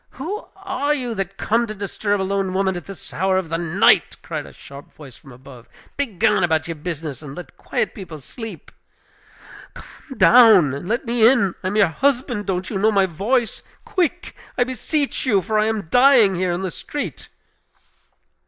"Who are you, that come to disturb a lone woman at this hour of the night?" cried a sharp voice from above. "Begone about your business, and let quiet people sleep." "Come down and let me in! I am your husband! Don't you know my voice? Quick, I beseech you; for I am dying here in the street!"